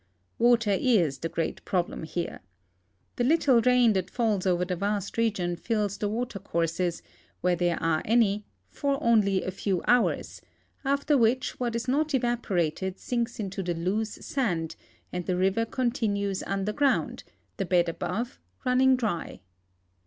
Water is the great problem here. The little rain THE FORESTS AND DESERTS OF ARIZONA 219 that falls over the vast region fills the water courses, where tliere are any, for only a few hours, after which what is not evaporated sinks into the loose sand and the river continues underground, the bed above "running dry."